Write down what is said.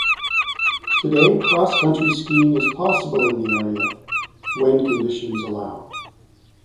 Today, cross country skiing is possible in the area, when conditions allow.